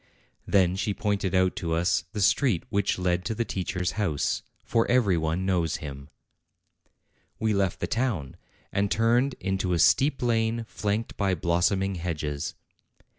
Then she pointed out to us the street which led to the teacher's house for every one knows him. MY FATHER'S TEACHER 221 We left the town, and turned into a steep lane flanked by blossoming hedges.